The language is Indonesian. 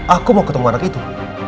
aku mau ketemu anak itu